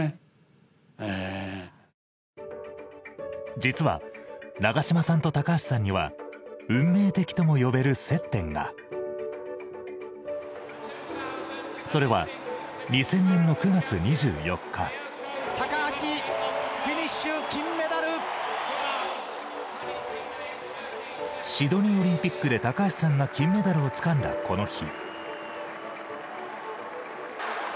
実は長嶋さんと高橋さんには運命的とも呼べる接点がそれは２０００年の９月２４日シドニーオリンピックで高橋さんが金メダルをつかんだこの日。